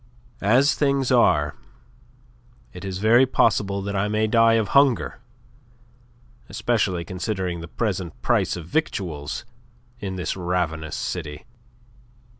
As things are it is very possible that I may die of hunger, especially considering the present price of victuals in this ravenous city.